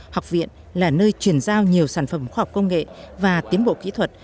học viện là nơi chuyển giao nhiều sản phẩm khoa học công nghệ và tiến bộ kỹ thuật